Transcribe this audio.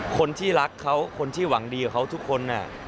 คนที่รักเขาคนที่หวังดีกับเขาทุกคน